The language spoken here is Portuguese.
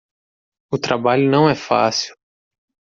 O trabalho não é fácil